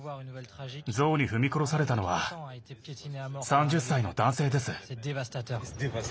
ゾウに踏み殺されたのは３０歳の男性です。